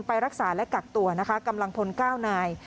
ไปรักษาและกักตัวนะคะกำลังพล๙นาย